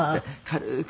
軽く。